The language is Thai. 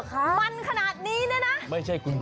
โอ้โอ้